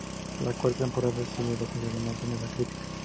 La cuarta temporada recibió la aclamación de la crítica.